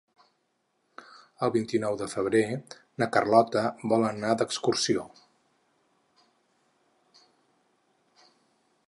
El vint-i-nou de febrer na Carlota vol anar d'excursió.